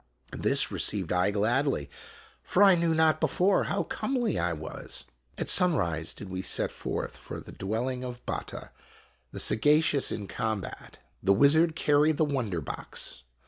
This received I gladly, for I knew not before how comely I was. At sunrise did we set forth for the dwelling of Batta, the saga cious in combat. The wizard carried the wonder box.